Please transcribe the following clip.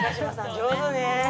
上手ね」